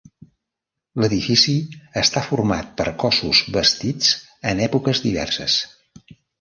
L'edifici està format per cossos bastits en èpoques diverses.